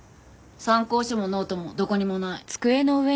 参考書もノートもどこにもない。